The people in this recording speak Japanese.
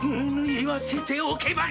言わせておけば！